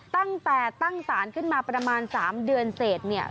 ตั้งแต่ตั้งศาลขึ้นมาประมาณ๓เดือนเสร็จเนี่ย